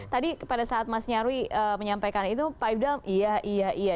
tadi pada saat mas nyarwi menyampaikan itu pak ifdal iya iya